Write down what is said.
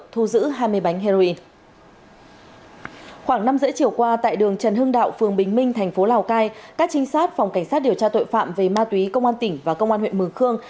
trần hưng đạo phường bình minh thành phố lào cai các trinh sát phòng cảnh sát điều tra tội phạm về ma túy công an tỉnh và công an huyện mường khương